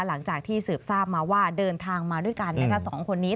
หลังจากที่สืบทราบมาว่าเดินทางมาด้วยกันนะคะสองคนนี้